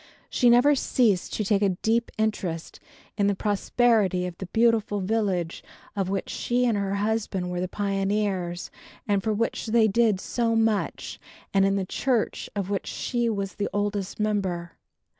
She never ceased to take a deep interest in the prosperity of the beautiful village of which she and her husband were the pioneers and for which they did so much and in the church of which she was the oldest member.